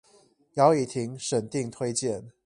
姚以婷審定推薦